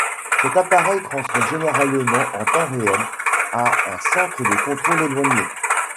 Cet appareil transmet, généralement en temps réel, à un centre de contrôle éloigné.